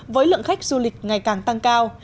với lượng khách du lịch ngày càng tăng cao